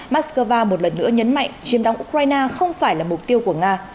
moscow một lần nữa nhấn mạnh chiếm đóng ukraine không phải là mục tiêu của nga